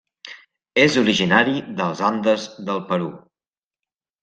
És originari dels Andes del Perú.